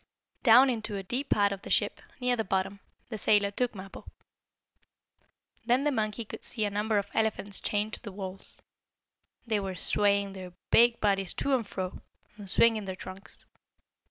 Down into a deep part of the ship, near the bottom, the sailor took Mappo. Then the monkey could see a number of elephants chained to the walls. They were swaying their big bodies to and fro, and swinging their trunks.